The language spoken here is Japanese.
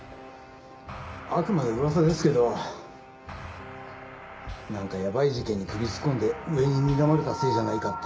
あくまで噂ですけどなんかやばい事件に首突っ込んで上ににらまれたせいじゃないかって。